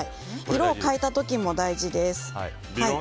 色を変えた時も大事です。